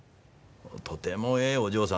とてもええお嬢さん。